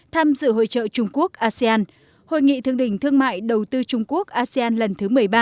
tham dự hội trợ trung quốc asean hội nghị thương đỉnh thương mại đầu tư trung quốc asean lần thứ một mươi ba